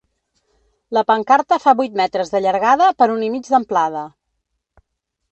La pancarta fa vuit metres de llargada per un i mig d’amplada.